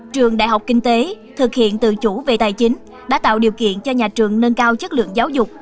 trường đại học kinh tế thực hiện tự chủ về tài chính đã tạo điều kiện cho nhà trường nâng cao chất lượng giáo dục